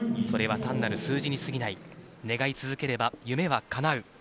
それは単なる数字に過ぎない願い続ければ、夢はかなう。